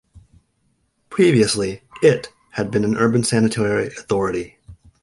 Previously, it had been an urban sanitary authority.